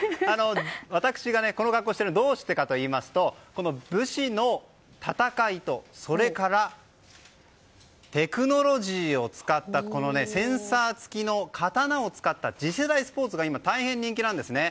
私がこの格好をしているのはどうしてかといいますとこの武士の戦いとそれからテクノロジーを使ったこのセンサー付きの刀を使った次世代スポーツが今、大変人気なんですね。